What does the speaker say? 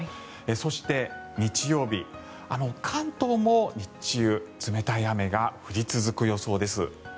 そして、日曜日関東も日中、冷たい雨が降り続く予想です。